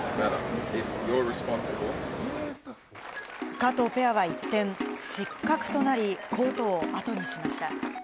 加藤ペアは一転、失格となり、コートをあとにしました。